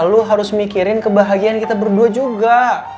lu harus mikirin kebahagiaan kita berdua juga